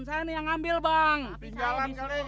jangan berbual ayo